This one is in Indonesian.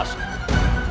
masalah di perbatasan